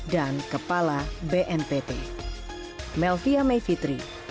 dan kepala bnpt